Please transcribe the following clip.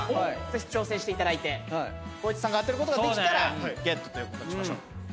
ぜひ挑戦していただいて光一さんが当てることができたらゲットということにしましょう。